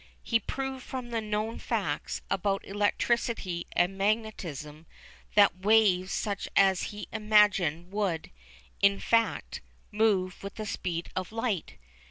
He proved from the known facts about electricity and magnetism that waves such as he imagined would, in fact, move with the speed of light.